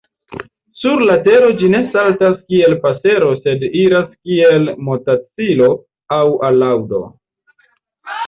Sur la tero ĝi ne saltas kiel pasero sed iras kiel motacilo aŭ alaŭdo.